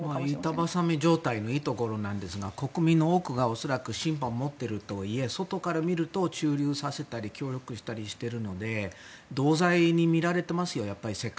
板挟み状態もいいところなんですが国民の多くがシンパを持っているとはいえ外から見ると駐留させたり協力させたりしているので同罪にみられることもある。